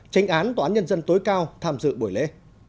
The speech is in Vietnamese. tránh án tòa án nhân dân tối cao tham dự buổi lễ